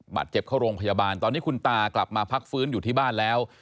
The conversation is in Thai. เจ็บเข้าโรงพยาบาลตอนนี้คุณตากลับมาพักฟื้นอยู่ที่บ้านแล้ว